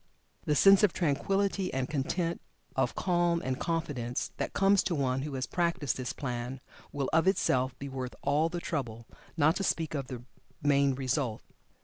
The sense of tranquillity and content of calm and confidence that comes to one who has practiced this plan, will of itself be worth all the trouble, not to speak of the main result.